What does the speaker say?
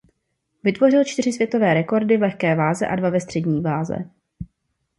Vytvořil čtyři světové rekordy v lehké váze a dva ve střední váze.